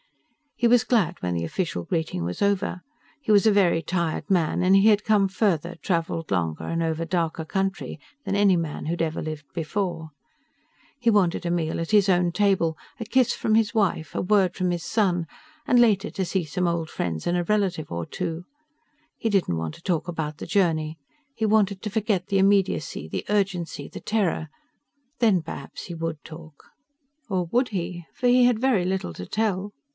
He was glad when the official greeting was over. He was a very tired man and he had come farther, traveled longer and over darker country, than any man who'd ever lived before. He wanted a meal at his own table, a kiss from his wife, a word from his son, and later to see some old friends and a relative or two. He didn't want to talk about the journey. He wanted to forget the immediacy, the urgency, the terror; then perhaps he would talk. Or would he? For he had very little to tell.